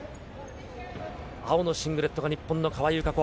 青のシングレットが日本の川井友香子。